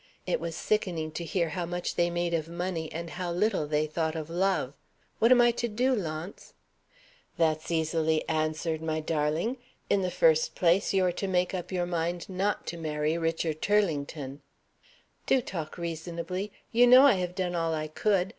It was sickening to hear how much they made of Money, and how little they thought of Love. What am I to do, Launce?" "That's easily answered, my darling. In the first place, you are to make up your mind not to marry Richard Turlington " "Do talk reasonably. You know I have done all I could.